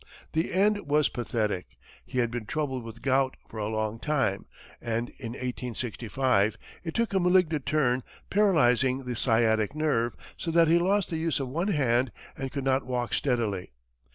The end was pathetic. He had been troubled with gout for a long time, and in 1865, it took a malignant turn, paralyzing the sciatic nerve, so that he lost the use of one hand, and could not walk steadily.